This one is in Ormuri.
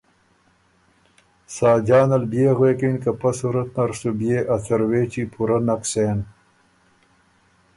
ساجان ال بئےغوېکِن که پۀ صورت نر سُو بيې ا څروېچی پُورۀ نک سېن۔